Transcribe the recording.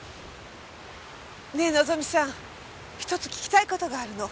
ねえ望さん一つ聞きたい事があるの。